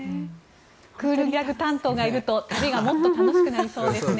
クールギャグ担当がいると旅がもっと楽しくなりそうですね。